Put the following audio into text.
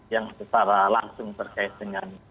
yang secara langsung terkait dengan